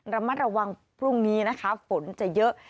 ระมัดระวังพรุ่งนี้นะคะฝนจะเยอะ